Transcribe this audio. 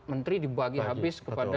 tiga puluh empat menteri dibagi habis kepada